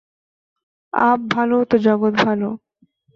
Up ভালো তো জগৎ ভালো।